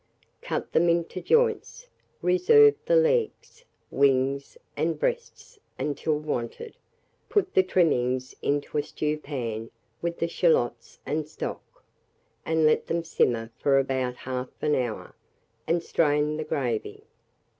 Cut them into joints, reserve the legs, wings, and breasts until wanted; put the trimmings into a stewpan with the shalots and stock, and let them simmer for about 1/2 hour, and strain the gravy.